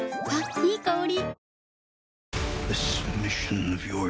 いい香り。